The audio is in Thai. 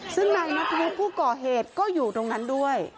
ซึ่งนายนัทวุฒิผู้ก่อเหตุก็อยู่ตรงนั้นด้วย